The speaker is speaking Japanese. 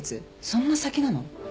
そんな先なの？